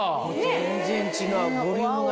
全然違うボリュームが違う。